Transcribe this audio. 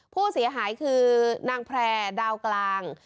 ผู้เสียหายคือนางแพร่ดาวกลาง